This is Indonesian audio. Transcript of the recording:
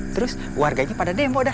terus warganya pada demo dah